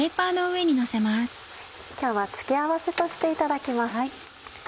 今日は付け合わせとしていただきます。